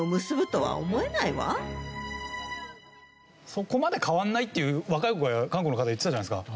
そこまで変わらないっていう若い子が韓国の方言ってたじゃないですか。